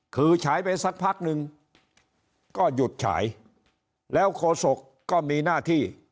คือฉายไปสักพักนึงก็หยุดฉายแล้วโฆษกก็มีหน้าที่